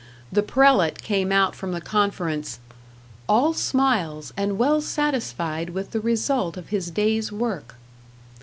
The prelate came out from the conference "all smiles, and well satisfied with the result of his day's work."